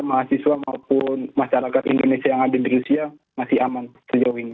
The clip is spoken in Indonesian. mahasiswa maupun masyarakat indonesia yang ada di rusia masih aman sejauh ini